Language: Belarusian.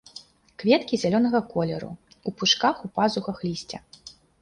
Кветкі зялёнага колеру, у пучках у пазухах лісця.